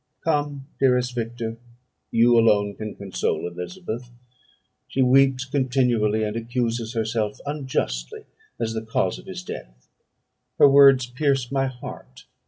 "Come, dearest Victor; you alone can console Elizabeth. She weeps continually, and accuses herself unjustly as the cause of his death; her words pierce my heart.